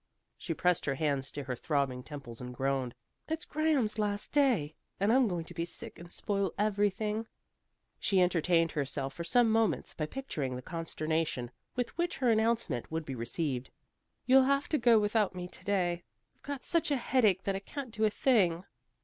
She pressed her hands to her throbbing temples and groaned. "It's Graham's last day, and I'm going to be sick and spoil everything." She entertained herself for some moments by picturing the consternation with which her announcement would be received. "You'll have to go without me to day. I've got such a headache that I can't do a thing."